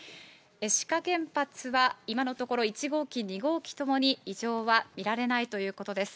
志賀原発は今のところ、１号機、２号機ともに異常は見られないということです。